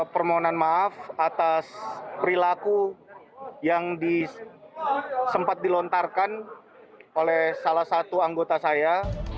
permohonan maaf atas perilaku yang sempat dilontarkan oleh salah satu anggota saya